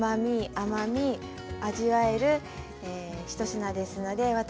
甘み味わえる１品ですので私